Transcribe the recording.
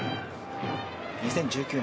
２０１９年